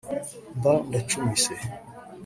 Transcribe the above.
mba ndacumise